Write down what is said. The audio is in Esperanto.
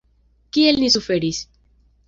Kiel ni suferis!